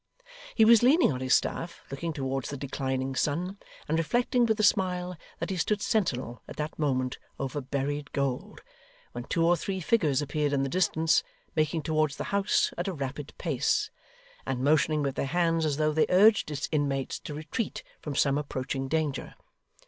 He was leaning on his staff looking towards the declining sun, and reflecting with a smile that he stood sentinel at that moment over buried gold, when two or three figures appeared in the distance, making towards the house at a rapid pace, and motioning with their hands as though they urged its inmates to retreat from some approaching danger.